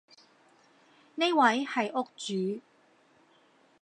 呢位係屋主